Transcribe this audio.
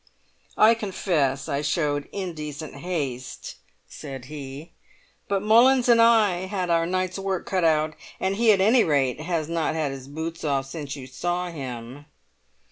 "I confess I showed indecent haste," said he; "but Mullins and I had our night's work cut out, and he at any rate has not had his boots off since you saw him."